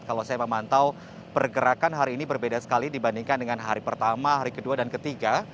kalau saya memantau pergerakan hari ini berbeda sekali dibandingkan dengan hari pertama hari kedua dan ketiga